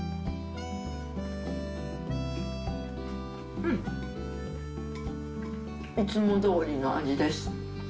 うん、いつもどおりの味です。